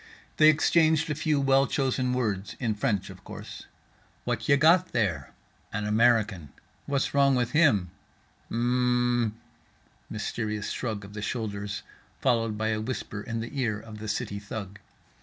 They exchanged a few well chosen words, in French of course. "What ya got there?"—"An American."—"What's wrong with him?"—"H mmm" mysterious shrug of the shoulders followed by a whisper in the ear of the city thug.